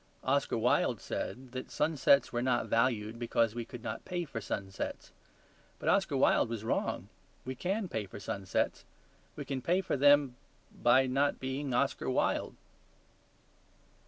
Oscar Wilde said that sunsets were not valued because we could not pay for sunsets. But Oscar Wilde was wrong; we can pay for sunsets. We can pay for them by not being Oscar Wilde.